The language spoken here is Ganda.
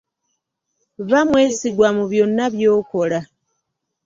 Ba mwesigwa mu byonna by'okola.